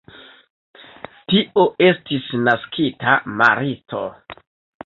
Tio estis naskita maristo.